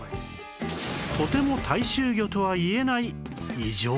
とても大衆魚とは言えない